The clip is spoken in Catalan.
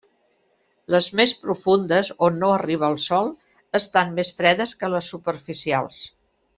Les més profundes, on no arriba el sol, estan més fredes que les superficials.